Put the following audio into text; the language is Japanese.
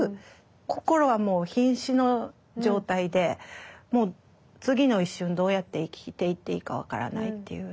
心はもうひん死の状態で次の一瞬どうやって生きていっていいか分からないっていう。